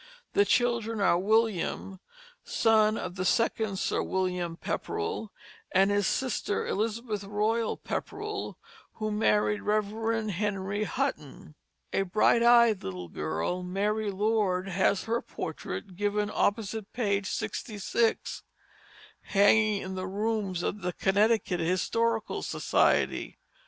The children are William, son of the second Sir William Pepperell, and his sister Elizabeth Royal Pepperell, who married Rev. Henry Hutton. A bright eyed little girl, Mary Lord, has her portrait, given opposite page 66, hanging in the rooms of the Connecticut Historical Society.